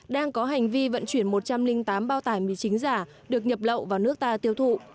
đang có hành vi vận chuyển một trăm linh tám bao tải mì chính giả được nhập lậu vào nước ta tiêu thụ